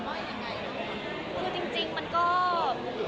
ใช่น่ะเดอะอย่างไร